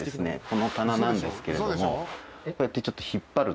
この棚なんですけれどもこうやって。